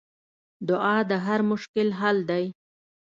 دعا د هر مشکل حل دی.